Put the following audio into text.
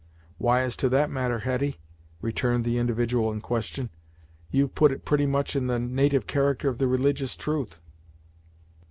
"Why, as to that matter, Hetty," returned the individual in question, "you've put it pretty much in the natyve character of the religious truth.